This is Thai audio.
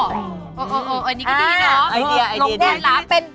โอ้โหอย่างนี้ก็ดีนะลงเนี่ยละอ่าไอเดีย